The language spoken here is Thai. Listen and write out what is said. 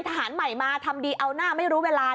ทหารใหม่มาทำดีเอาหน้าไม่รู้เวลา